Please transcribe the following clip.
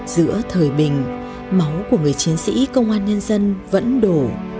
giữa thời bình máu của người chiến sĩ công an nhân dân vẫn đổ